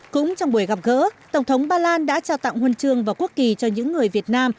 cũng trong buổi gặp gỡ tổng thống ba lan đã trao tặng huân chương và quốc kỳ cho những người việt nam